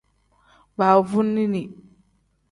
Baavunini.